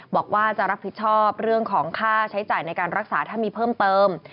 บอกว่าจะรับผิดชอบเรื่องของค่าใช้จ่ายในการรักษาถ้ามีเพิ่มเติม